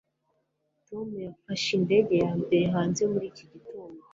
tom yafashe indege ya mbere hanze muri iki gitondo